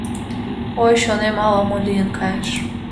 Ой, чонем ала-мо лийын кайыш.